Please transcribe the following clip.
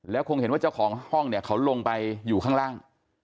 คงเห็นว่าเจ้าของห้องเนี่ยเขาลงไปอยู่ข้างล่าง